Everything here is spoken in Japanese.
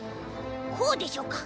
こうでしょうか？